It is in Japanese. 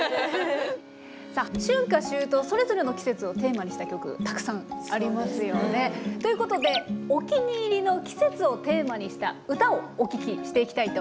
さあ春夏秋冬それぞれの季節をテーマにした曲たくさんありますよね。ということでお気に入りの季節をテーマにした歌をお聞きしていきたいと思います。